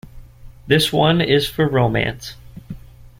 This one is for romance...!